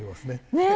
ねえ。